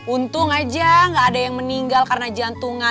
untung aja gak ada yang meninggal karena jantungnya